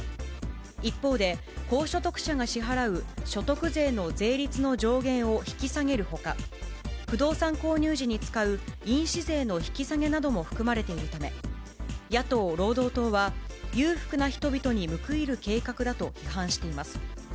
一方で、高所得者が支払う所得税の税率の上限を引き下げるほか、不動産購入時に使う印紙税の引き下げなども含まれているため、野党・労働党は、裕福な人々に報いる計画だと批判しています。